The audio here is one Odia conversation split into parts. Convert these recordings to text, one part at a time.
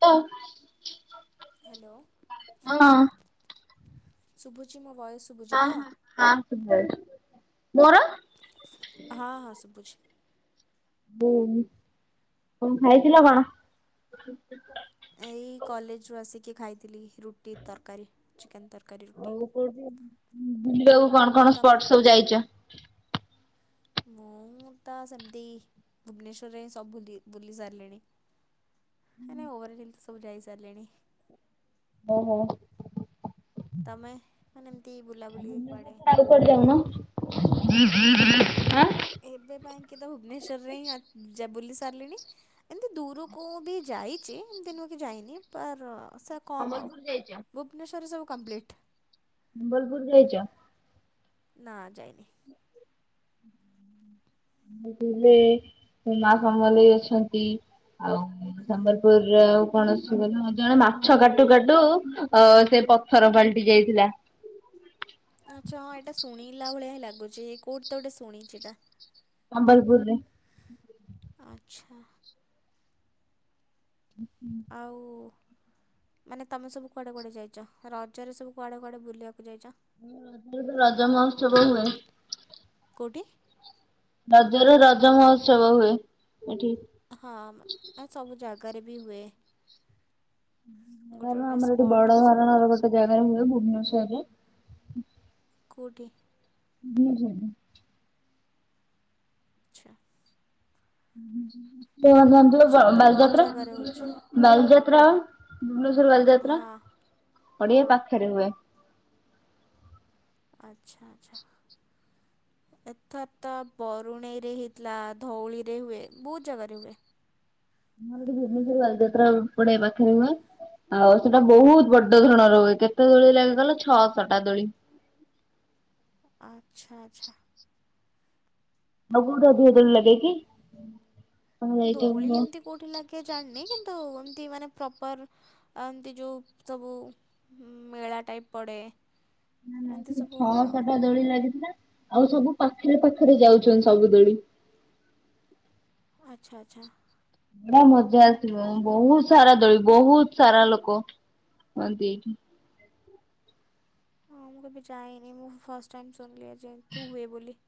ତ। ହ୍ୟାଲୋ ଶୁଭୁଛି ମୋ ଭଏସ। ଶୁଭୁଛି ତ? ହଁ ହଁ ହଁ ମୋର। ହଁ ହଁ ସୁଭୁଛି। ହୁଁ କଣ ଖାଇଥିଲ କଣ? ଏଇ କଲେଜ ରୁ ଆସିକି ଖାଇଥିଲି ରୁଟି ତରକାରୀ ଚିକେନ ତରକାରୀ ରୁଟି। ଆଉ ବୁଲିବାକୁ କଣ ଆଉ କଣ ତମେ? ସ୍ପଟ ସବୁ ଯାଇଛ? ମୁଁ ତ ସେମତି। ଭୁବନେଶ୍ୱରରେ ସବୁ ବୁଲି ସାରିଲିଣି। ମାନେ ଓଭରାଲି ସବୁ ଯାଇ ସାରିଲିଣି। ଓ ହୋ। ତମେ ମାନେ ଏମିତି ବୁଲାବୁଲି କୁଆଡେ [unintelligible] ଏବେ ପାଇଁକି ତ ଭୁବନେଶ୍ୱରରେ ହିଁ ଆ-ଯା ବୁଲି ସାରିଲିଣି। ଏମିତି ଦୂରୁକୁ ବି ଯାଇଚି ଏମିତି ନୁହେଁ କି ଯାଇନି ପର ସକ୍ କମ୍ ଆଉ। ସମ୍ବଲପୁର ଯାଇଛ? ଭୁବନେଶ୍ୱର ରେ ସବୁ କମ୍ପ୍ଲିଟ୍। ସମ୍ବଲପୁର୍ ଯାଇଚ? ନାଁ ଯାଇନି। ସମ୍ବଲପୁର୍ ରେ ସେ ମା ସମଲେଇ ଅଛନ୍ତି, ଆଉ ସମ୍ବଲପୁର ଇଏ ଆଉ କଣ ଶୁଣ ଜଣେ ମାଛ କାଟୁ କାଟୁ ଅ ସେ ପଥର ପାଲଟି ଯାଇଥିଲା। ଆଚ୍ଛା ହଁ ଏଇଟା ଶୁଣିଲା ଭଳିଆ ହିଁ ଲାଗୁଚି ଏ କୋଉଠି ତ ଗୋଟେ ଶୁଣିଚି ଏଟା। ସମ୍ବଲପୁରରେ। ଆଚ୍ଛା। ଉଁ ହୁଁ। ଆଉ ମାନେ ତମେ ସବୁ କୁଆଡେ କୁଆଡେ ଯାଇଚ, ରଜରେ ସବୁ କୁଆଡେ କୁଆଡେ ବୁଲିବାକୁ ଯାଇଚ? [unintelligible] ରଜମହୋତ୍ସବ ହୁଏ। କୋଉଠି? ରଜରେ ରଜମହୋତ୍ସବ ହୁଏ ଏଠି। ହଁ-ମ୍ ସବୁ ଜାଗାରେ ବି ହୁଏ। [unintelligible] ଗୋଟେ ଗୋଟେ ଆମର ଏଠି ବଡ ସ୍ପଟରେ ସବୁ ଧରଣର ଗୋଟେ ଜାଗାରେ ହୁଏ ଭୁବନେଶ୍ବରରେ। କୋଉଠି? ଭୁବନେଶ୍ୱର ରେ। ଆଚ୍ଛା [unintelligible] ବାଲଯାତ୍ରା ଭୁବନେଶ୍ୱରରେ ତ ବହୁତ ଜାଗାରେ ହେଉଛି ବାଲିଯାତ୍ରା ଭୁବନେଶ୍ଵର ବାଲିଯାତ୍ରା ହଁ ପଡିଆ ହଁ ପାଖେରେ ହୁଏ। ଆଚ୍ଛା ଆଚ୍ଛା। ଏଥର ତ ବରୁଣେଇ ରେ ହେଇଥିଲା ଧଉଳି ରେ ହୁଏ ବହୁତ୍ ଯାଗାରେ ହୁଏ। ଆମର ଏଠି ଭୁବନେଶ୍ବର ବାଲିଯାତ୍ରା ପଡିଆ ପାଖେରେ ହୁଏ। ଆଉ ସେଟା ବହୁତ୍ ବଡଧରଣ ର ହୁଏ କେତେ ଦୋଳି ଲାଗେ କହିଲ ଛଅଶ ଟା ଦୋଳି। ଆଚ୍ଛା ଆଚ୍ଛା। ଆଉ କୋଉଠେ ଅଧିକ ଦୋଳି ଲଗେ କି? ତମେ ଯାଇଛ କି ଦୋଳି ନାଇଁ? ଏମତି କୋଉଠି ଲାଗେ ଜାଣିନି କିନ୍ତୁ ଏମତି ମାନେ ପ୍ରପର ଆଉ ଏମିତି ଯୋଉ ସବୁ ମେଳା ଟାଇପ୍ ପଡେ ନା ନା ସେ ଛଅଶଟା ଦୋଳି ଲାଗିଥିଲା। ଆଉ ସବୁ ପାଖେରେ ପାଖେରେ ଯାଉଚନ୍ତି ସବୁ ଦୋଳି। ଆଚ୍ଛା ଆଚ୍ଛା। ବଢିଆ ମଜା ଆସିବ ବହୁତ୍ ସାରା ଦୋଳି ବହୁତ୍ ସାରା ଲୋକ ହୁଅନ୍ତି। ହଁ ମୁଁ କେବେ ଯାଇନି ମୁଁ ଫାଷ୍ଟ୍ ଟାଇମ୍ ଶୁଣିଲି ଆଜି ଏମତି ହୁଏ ବୋଲି।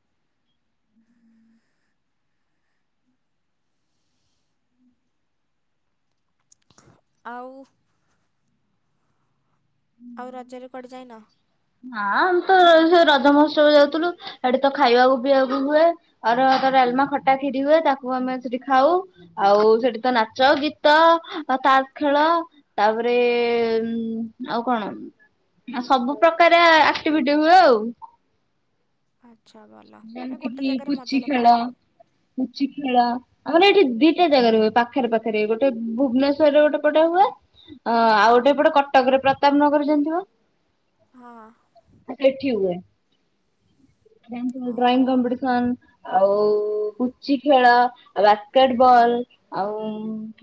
ଆଉ ଆଉ ରଜରେ କୁଆଡେ ଯାଇନ? ନାଁ ଆମ୍ ତ ସେ ରଜ ମହୋତ୍ସବ ଯାଉଥିଲୁ ସେଠି ତ ଖାଇବାକୁ ପିଇଆକୁ ହୁଏ। ଆରୁଆ ଭାତ ଆଲମା ଖଟା ଖିରି ହୁଏ ତାକୁ ଆମେ ସେଠି ଖାଉ। ଆଉ ସେଠି ତ ନାଚ ଗୀତ ତାସ୍ ଖେଳ ତାପରେ ଉଁ ଆଉ କଣ ସବୁ ପ୍ରକାରେ ଆକ୍ଟିଭିଟି ହୁଏ ଆଉ। ପାଛ ଭଲ। ମାନେ ଯେମିତି ଗୋଟେ କିି ଜାଗାରେ ମଜା ପୁଚି ଖେଳ ଲାଗୁଥିବ ଆଉ। ପୁଚି ଖେଳ ଆମର ଏଇଠି ଦିଟା ଜାଗାରେ ହୁଏ ପାଖରେ ପାଖରେ ଗୋଟେ ଭୁବନେଶ୍ଵରରେ ଗୋଟେ ପଟେ ହୁଏ। ଅ ଆଉ ଗୋଟେ ଏପଟେ କଟକରେ ପ୍ରତାପ ନଗର ଜାଣଥିବ। ହଁ। ଆ ସେଠି ହୁଏ। ମୁଁ ଡ୍ରାଇଂଙ୍ଗ ଓହୋ କମ୍ପିଡିସନ୍ ସନ ଆଉ ପୁଚି ଖେଳ ଆ ବାସ୍କେଟ ବଲ ଆଉ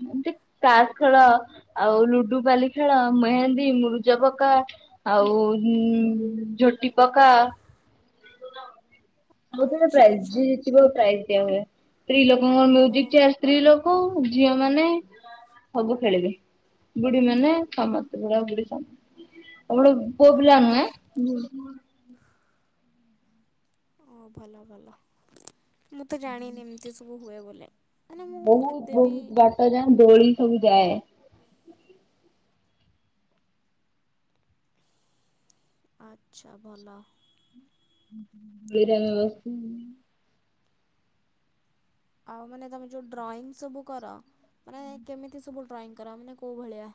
ଏମତି ତାସ୍ ଖେଳ ଆଉ ଲୁଡୁ ପାଲି ଖେଳ ମେହେନ୍ଦୀ ମୁରୁଜ ପକା। ଆଉ ଝୋଟି ପକା। ସବୁ ଥୀରେ ଆଚ୍ଛା ପ୍ରାଇଯ ଆଚ୍ଛା ଯି ଜିତିବ ପ୍ରାଇଜ୍ ଦିଆ ହୁଏ ସ୍ତ୍ରୀ ଲୋକଙ୍କ ମ୍ୟୁଜିକ୍ ଓହୋ ଚେଆର ସ୍ତ୍ରୀ ଲୋ କୋଉ ଝିଅ ମାନେ ସବୁ ଖେଳିବେ ବୁଢୀ ମାନେ ସମାସ୍ତ ବୁଡା ବୁଢୀ ଆଉ ଗ ପୁଅ ଆ ପିଲା ନୁହେ। ଓ ଭଲ ଭଲ ମୁଁ ତ ଜାଣିନି ଏମିତି ସବୁ ହୁଏ ବୋଲେ। ମାନେ ମୁଁ ଏତେ ବି ତ ଯା ଦୋଳି ସବୁ ଯାଏ। ଆଛା ଭଲ। [unintelligible] ଆଉ ମାନେ ତମେ ଯୋଉ ଡ୍ରଇଂ ସବୁ କର ମାନେ କେମିତି ସବୁ ଡ୍ରଇଂ କର ମାନେ କୋଉ ଭଳିଆ?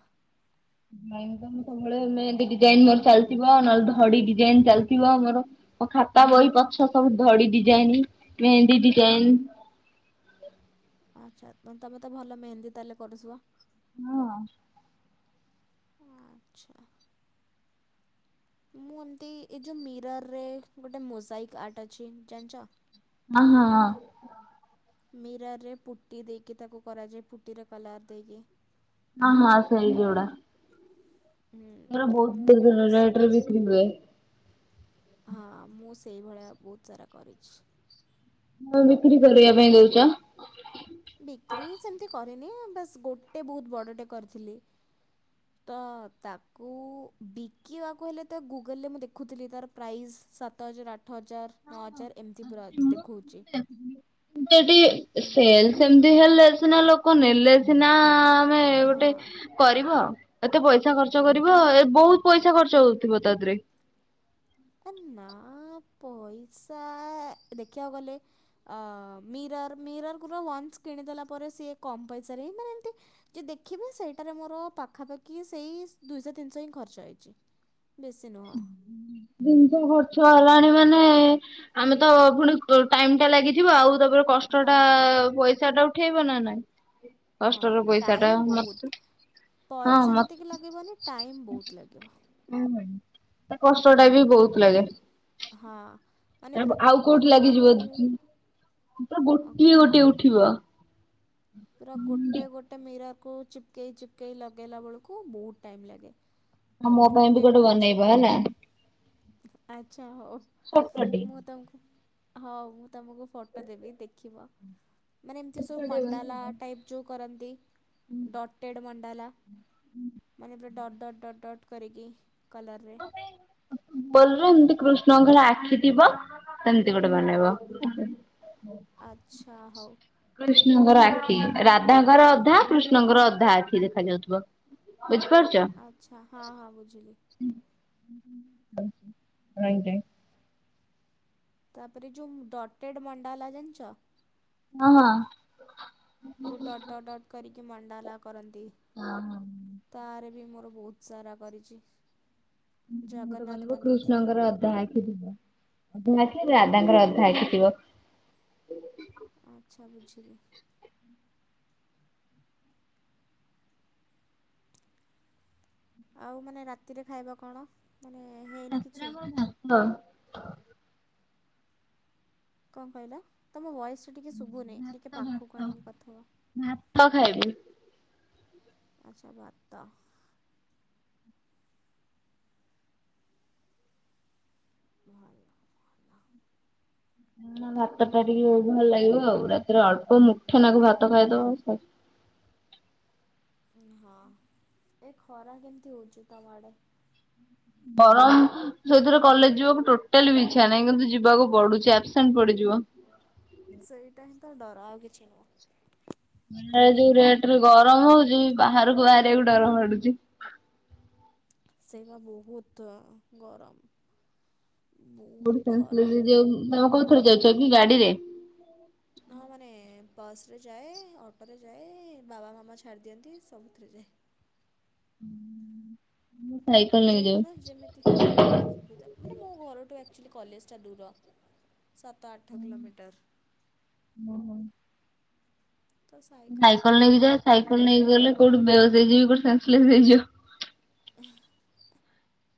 ଡ୍ରଇଂ ତ ମୁଁ ସବୁବେଳେ ମେହେନ୍ଦି ଡିଯାଇନ ମୋର ଚାଲିଥିବ ନହେଲେ ଧଡି ଡିଜାଇନ ଚାଲିଥିବ ମୋର। ମ ଖାତା ବହି ପଛ ସବୁ ଧଡି ଡିଜାଇନ ମେହେନ୍ଦି ଡିଜାଇନ। ଆଛା ମାନେ ତମେ ତ ଭଲ ମେହେନ୍ଦୀ ତାହେଲେ କରୁସୁବ। ହଁ। ଆଛା। ମୁଁ ଏମତି ଏ ଯୋଉ ମିରରରେ ଗୋଟେ ମୋଜାଇକ୍ ଆର୍ଟ ଅଛି ଜାନଛ ହ ହଁ ହ। ମିରାରରେ ପୁଟି ଦେଇକି ତାକୁ କରାଯାଏ ପୁଟିର କଲର ଦେଇକି। ହଁ ହଁ ସେଇ ଯଉଡ଼ା। ହୁଁ ସେରା ମୁଁ ବୋହୁତ ବହୁ ଦି ରେ ରେଟରେ ବିକ୍ରି ହୁଏ। ହଁ ମୁଁ ସେଇଭଳିଆ ବହୁତ ସାରା କରିଛି। ମାନେ ବିକ୍ରି କରିବା ପାଇଁ ଦଉଚ? ବିକ୍ରି ସେମିତି କରିରେନି ବାସ୍ ଗୋଟେ ବୋହୁତ ବଡ଼ଟେ କରିଥିଲି। ହୁଁ ତ ତାକୁ ବିକିବାକୁ ହେଲେ ତ ଗୁଗଲରେ ମୁଁ ଦେଖୁଥିଲି ତାର ପ୍ରାଇସ୍ ସାତ ହଜାର ଆଠ ହଜାର ନଅ ହଜାର ଏମିତି ପୁରା ଦେଖଉଚି। ସେଠି ସେଲ ସେମିତି ହେଲେ ସିନା ଲୋକ ନେଲେ ସିନା ତମେ ହଁ ଗୋଟେ କରିବ ଏତେ ପଇସା ଖର୍ଚ୍ଚ କରିବ। ତ ଏ ବହୁତ ପଇସା ଖର୍ଚ୍ଚ ହଉଥିବ ତାଥିରେ। କନ ନା ପଇସା ଦେଖିବାକୁ ଗଲେ ଆ ମିରର୍ ମିରର ଗୁର ୱାନ୍ସ କିଣିଦେଲା ପରେ ସିଏ କମ୍ ପଇସାରେ ହିଁ ମାନେ ଏମିତି ଯେ ଦେଖିବେ ସେଇଟାରେ ମୋର ପାଖାପାଖି ସେଇ ଦୁଇଶହ ତିନଶ ହିଁ ଖର୍ଚ୍ଚ ହେଇଚି। ବେଶୀ ନୁହ। ଜିନିଷ ଖର୍ଚ୍ଚ ହେଲାଣି ମାନେ ଆମେ ତ ପୁଣି ଟାଇମ ଟା ଲାଗିଥିବ ଆଉ ତାପରେ କଷ୍ଟ ହଁ ଟା ପଇସା ଟା ଉଠେଇବ ନା ନାଇଁ। ହଁ କଷ୍ଟର ପଇସା ଟା ଟାଇମ୍ ମତେ ବୋହୁତ ହଁ ପଇସା ଯେତିକି ଲାଗିବନି ଟାଇମ୍ ବୋହୁତ ଲାଗିବ। ଉ ତା କଷ୍ଟ ଟା ବି ବହୁତ ଲାଗେ ହଁ ମାନେ ପୁରା ଆଉ ଗୋଟେ କୋଉଠି ଗୋଟେ ଲାଗିଯିବ ମୁଁ ତ ପୁରା ଅ ଗୋଟିଏ ଗୋଟିଏ ଉଠିବ ପୁରା ଗୋଟେ ଗୋଟେ ମିରରକୁ ଚିପକେଇ ଚିପକେଇ ଲଗାଇଲା ବେଳକୁ ବହୁତ ଟାଇମ୍ ଲାଗେ ତ ମୁଁ ଗୋଟେ କରିଛି ହଲା ଆଚ୍ଛା ହଉ ଛୋଟଟେ। ମୁଁ ତାଙ୍କୁ ହଉ ମୁ ତମକୁ ଫଟୋ ଦେବି ଦେଖିବ ମାନେ ଏମିତି ସବୁ ମଣ୍ଡାଲା ଟାଇପ୍ ଯେଉଁ କରନ୍ତି ଡଟେଡ଼୍ ମଣ୍ଡାଲା ମାନେ ପୁରା ଡଟ୍ ଡଟ୍ ଡଟ୍ ଡଟ୍ କରିକି କଲର ରେ ବଲ ଏମିତି କୃଷ୍ଣ ଙ୍କର ଆଖି ଥିବ ସେମିତି ଗୋଟେ ବନେଇବ ଆଚ୍ଛା ହଉ କୃଷ୍ଣଙ୍କ ର ଆଖି ବନେଇକି ଦେ ରାଧା ର ଅଧା କୃଷ୍ଣଙ୍କର ଅଧା ଆଖି ଦେଖା ଯାଉଥିବ ବୁଝିପାରୁଛ ଆଚ୍ଛା ହଁ ହଁ ବୁଝିଲି ହୁଁ ହ ଆଁଞା ତାପରେ ଯୋଉ ଡଟେଡ ମଣ୍ଡାଲା ଜାଣିିଛ ହଁ ହଁ ଯୋଉ ଟଡଟ ଟଡଟ କରିକି ମଣ୍ଡାଲା କରନ୍ତି ତାର ବି ମୋର ବହୁତ ସ ରା କରିଛି ଗୋଟେ ବନେଇବ ଜଗନ୍ନାଥ ବନେଇଥିଲଥିଲେ କୃଷ୍ଣଙ୍କର ଅଧା ଆଖି ଅଧା ରାଧାଙ୍କର ଅଧା ହେଖିଥିବ ଆଚ୍ଛା ବୁଝିଲି ଆଉ ମାନେ ରାତିରେ ଖାଇବା କଣ ମାନେ ହେଇନି କିଛି ହଁ କଣ କହିଲା ତମ ଭଏସ ଟିକେ ଶୁଭୁନହି ଟିକେ ପାଖକୁ ଆଣିକି କଥା ହୁଅ ଭାତ ଖାଇବି ଆଚଛା ଭାତ୍ତ ଭଲ ଭାତ ଟା ଟିକେ ବହୁ ଭଲ ଲାଗିବ ଆଉ ରାତିରେ ଅଳ୍ପ ମୁଠେ ନାକୁ ଭାତ ଖାଇଦବ ହଁ ଏ ଖରା କେମିତି ହଉଛି ତମ ଆଡେ ବରମ ସେଇଥିରେ କଲେଜ ଯିବାକୁ ଟୋଟାଲି ବି ଇ୍ଛା ନାହିଁ କିନ୍ତୁ ଯିବାକୁ ପଡୁଛି ଆବସେଣ୍ଟ ପଡିଯିବ ସେଇଟା ହିଁ ତ ଡର ଆଉ କିଛି ନୁହଁ ଏଇନା ଯୋଉ ରେଟରେ ଗରମ ହଉଛି ବାହାରକୁ ବାହାରିବାକୁ ଡରମାଡୁଛି ସେଇବା ବହୁତ ଗରମ ବୁଢ ବହୁତ ଖରା ଯୋଉ ତମେ କୋଉ ଥରେ ଯାଉଛ କି ଗାଡି ରେ ହଁ ମାନେ ବସରେ ଯାଏ ଅଟୋରେ ଯାଏ ବାବା ମାମା ଛାଡ଼ିଦିଅନ୍ତି ସବୁଥିରେ ଯାଏ ସାଇକଲ ଯୋଉଦିନ ନେଇ ଯେମିତି ଯାଉ ସୁବିଧା ମାନେ ମୋ ଘରଠୁ ଆକ୍ଚୁଆଲି କଲେଜଟା ଦୂର ସାତ ଆଠ କିିଲୋମିଟର ତ ସାଇକେଲ ତ ନେଇ କି କଣ ନେଇକି ଗଲେ କୋଉଠି ବେହୋସ ହେଇଯିବି କୋଉଠ ସାସଲେସେ ହେଇଯିବ ହେଁ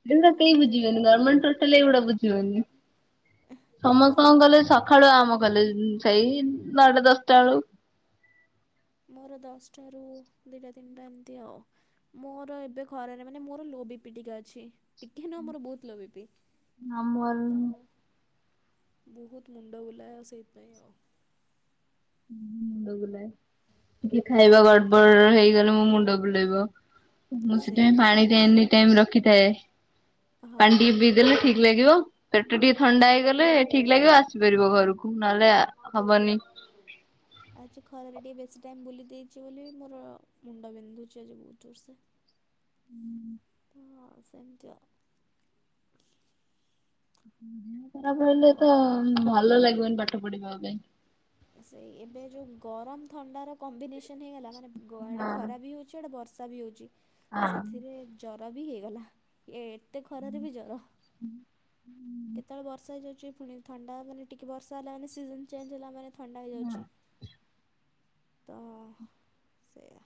ଏମିତିଆ କେହି ବୁଝିବେନି ଗରମେଟେ ଟୋଟାଲ ଏଇଗୁଡା ବୁଝିବେନି ସମସ୍ତ ଙ୍କ ଗଲେ ସକାଳୁ ଆମ କଲେଜ ସେଇ ନଅଟା ଦଶଟା ବେଳୁ ମୋର ଦଶଟାରୁ ଦିଇଟା ତିନିଟା ଏମିତି ଆଉ। ମୋର ଏବେ ଖରାରେ ମାନେ ମୋର ଲୋବିପି ଟିକେ ଅଛି ଟିକିଏ ନୁହଁ ମୋର ବହୁତ୍ ଲୋବିପି। ଆମର ବହୁତ୍ ମୁଣ୍ଡ ବୁଲାଏ ସେଇଥିପାଇଁ ଆଉ। ମୁଣ୍ଡବୁଲାଏ। ଟିକେ ଖାଇବା ଗଡ଼ବଡ଼ ହେଇଗଲେ ମୋ ମୁଣ୍ଡ ବୁଲେଇବ। ମୁଁ ସେଥିପାଇଁ ସେଇ ପାଣି ଟ ଆଜି ଏନି ଟାଇମ୍ ରଖିଥାଏ ପାଣି ହଁ। ଟିକେ ପିଇ ଦେଲେ ଠିକ୍ ଲାଗିବ। ପେଟ ଟିକେ ଥଣ୍ଡା ହେଇଗଲେ ଠିକ୍ ଲାଗିବ ଆସିପାରିବ ଘରକୁ ନହେଲେ ହବନି। ଆଜି ଖରାରେ ଟିକେ ବେଶୀ ଟାଇମ୍ ବୁଲି ଦେଇେଛି ବୋଲି ମୋର ମୁଣ୍ଡ ବିନ୍ଧୁଛି ଆଜି ବହୁତ୍ ଜୋରସେ। ହୁଁ। ହଁ ସେମିତି ଆଉ। ଦେହ ଖରାପ ହେଲେ ତ ଭଲ ଲାଗିବନି ପାଠପଢ଼ିବା ପାଇଁ। ସେଇ ଏବେ ଯୋଉ ଗରମ ଥଣ୍ଡା ର କମ୍ବିନେସନ୍ ହେଇଗଲା ମାନେ ଆଡେ ଖରା ବି ହଉଛି। ଆଡ଼େ ବର୍ଷା ବି ହେଉଛି ସେଥିରେ ଜର ବି ହେଇଗଲା। ଏତେ ଖରାରେ ବି ଜର କେତେବେଳେ ବର୍ଷା ହେଇଯାଉଛି ପୁଣି ଥଣ୍ଡା ମାନେ ଟିକେ ବର୍ଷା ହେଲାବୋଲି ମାନେ ସିଜନ୍ ଚେଞ୍ଜ ହେଲାମାନେ ଥଣ୍ଡା ହେଇଯାଉଛି। ତ ସେଇୟା।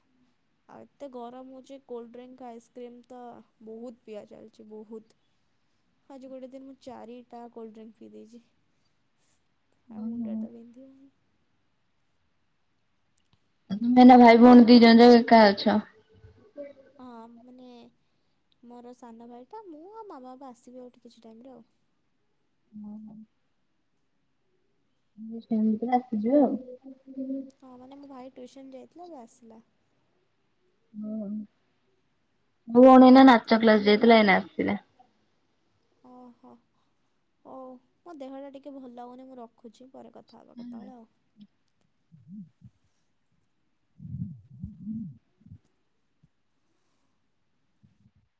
ଆଉ ଏତେ ଗରମ ହଉଛି କୋଲ୍ଡ ଡ୍ରିଙ୍କ୍ ଆଇସ୍କ୍ରିମ୍ ତ ବହୁତ୍ ପିଆ ଚାଲିଛି ହ। ବହୁତ୍। ଆଜି ଗୋଟେ ଦିନ ମୁଁ ଚାରିଟା କୋଲ୍ଡଡ୍ରିଙ୍କ ପିଇଦେଇଛି। ଆଉ ମୁଣ୍ଡ ତ ବିନ୍ଧିବ ହିଁ। ତମେ ଏମିତି ଏଇନା ଆଉ ଭାଇ ଭଉଣୀ ଦି ଜଣ ଯାେକା ଏକା ଅଛ। ହଁ ମାନେ ମୋର ସାନଭାଇଟା ମୁଁ ଆଉ ମାମା ବାପା ଆସିବେ ଆଉ ଟିକେ କିଛି ଟାଇମ୍ ରେ ଆଉ। ହୁଁ ହୁଁ। ସେମତି ଆସିଯିବ ଆଉ। ହଁ ମାନେ ମୋ ଭାଇ ଟ୍ୟୁସନ୍ ଯାଇଥିଲା ତ ଆସିଲା। ହୁଁ ଭଉଣୀ ଏଇନା ନାଚ ସେତିକି କ୍ଲାସ୍ ଯାଇଥିଲା ଏଇନେ ଆସିଲା। ଓହୋ ହଉ ମୋ ଦେହ ଟା ଟିକେ ଭଲଲାଗୁନି ମୁଁ ରଖୁ ରଖୁଛି ପରେ କଥା ହେବା କେତେବେଳେ ଆଉ। ହୁଁ।